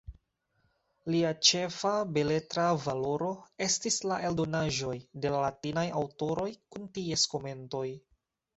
Lia ĉefa beletra valoro estis la eldonaĵoj de la latinaj aŭtoroj kun ties komentoj.